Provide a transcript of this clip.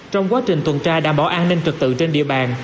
trong quá trình tuần tra đảm bảo an ninh trực tự trên địa bàn